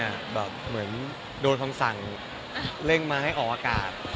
เหมือนโดนคำสั่งเร่งมาให้ออกอากาศ